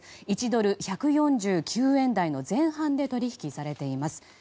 １ドル＝１４９円台の前半で取引されています。